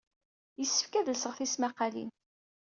Yessefk ad lseɣ tismaqqalin.